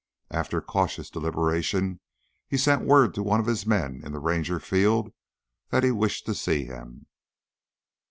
After cautious deliberation he sent word to one of his men in the Ranger field that he wished to see him.